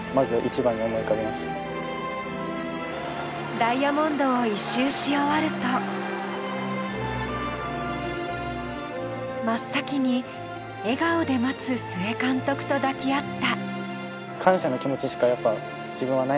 ダイヤモンドを１周し終わると真っ先に笑顔で待つ須江監督と抱き合った。